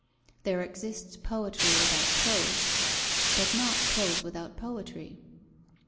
There exists poetry without prose, but not prose without poetry.